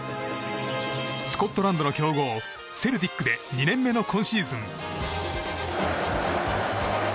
スコットランドの強豪セルティックで２年目の今シーズン。